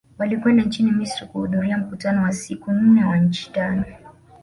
Walikwenda nchini Misri kuhudhuria mkutano wa siku nne wa nchi tano